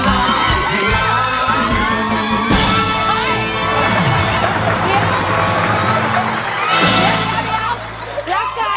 เดี๋ยวเดี๋ยวเดี๋ยว